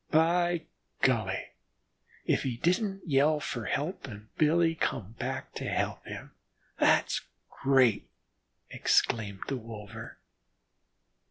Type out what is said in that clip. "By golly, if he didn't yell for help, and Billy come back to help him; that's great!" exclaimed the wolver.